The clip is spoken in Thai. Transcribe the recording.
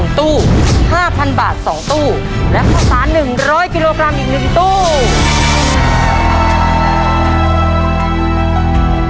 ๕๐๐๐บาท๒ตู้และภาษา๑๐๐กิโลกรัมอีก๑ตู้